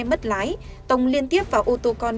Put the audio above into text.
mất lái tông liên tiếp vào ô tô con